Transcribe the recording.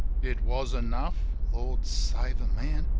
It was enough. Lord save a man